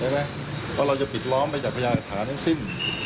เพราะเราจะปิดล้อมไปจากพยานหลักฐานทั้งสิ้น